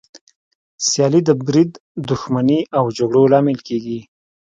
سیالي د بريد، دښمني او جګړو لامل کېږي.